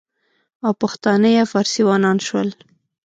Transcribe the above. او پښتانه یا فارسیوانان شول،